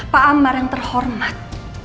pak ambar yang terhormat